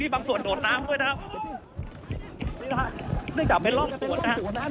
มีบางส่วนโดดน้ำด้วยนะครับนี่แหละครับนี่จะเป็นร่องศูนย์นะครับ